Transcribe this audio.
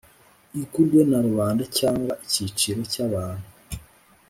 igurwe na rubanda cyangwa icyiciro cy abantu